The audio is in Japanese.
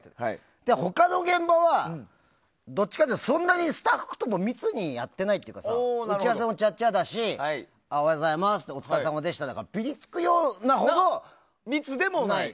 でも、他の現場はどちらかというとそんなにスタッフと密にやっていないというか打ち合わせも、ちゃっちゃだしおはようございますお疲れさまでしただからぴりつくほどでもない。